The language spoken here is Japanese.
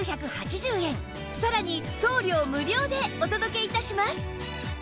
さらに送料無料でお届け致します